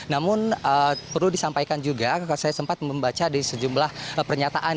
namun perlu disampaikan juga saya sempat membaca di sejumlah pernyataan